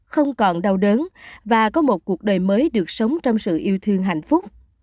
không còn đau đớn và có một cuộc đời mới được sống trong sự yêu thương hạnh phúc